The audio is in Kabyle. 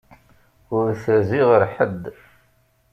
Ur terzi ɣer ḥedd.